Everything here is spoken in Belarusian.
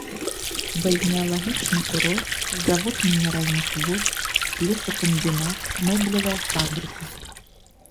Бальнеалагічны курорт, завод мінеральных вод, лесакамбінат, мэблевая фабрыка.